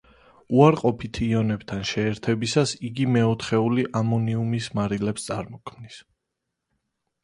უარყოფით იონებთან შეერთებისას იგი მეოთხეული ამონიუმის მარილებს წარმოქმნის.